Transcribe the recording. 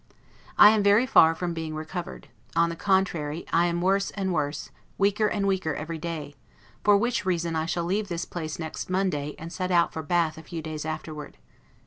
I am very far from being recovered; on the contrary, I am worse and worse, weaker and weaker every day; for which reason I shall leave this place next Monday, and set out for Bath a few days afterward.